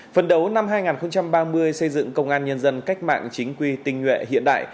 phần đấu năm hai nghìn ba mươi xây dựng công an nhân dân cách mạng chính quy tình nguyện hiện đại